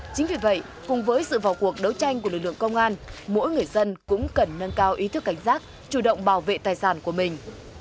trong tình trạng đấu tranh của lực lượng công an mỗi người dân cũng cần nâng cao ý thức cảnh giác chủ động bảo vệ tài sản của mình